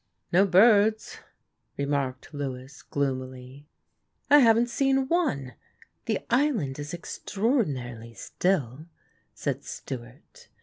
"No birds," remarked Lewis gloomily. "I haven't seen one the island is extraordinarily still," said Stewart.